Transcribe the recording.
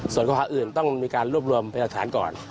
ส่วนข้อหาอื่นต้องมีการรวบรวมพยาฐานก่อน